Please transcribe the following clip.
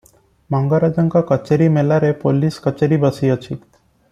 ମଙ୍ଗରାଜଙ୍କ କଚେରୀ ମେଲାରେ ପୋଲିସ କଚେରୀ ବସିଅଛି ।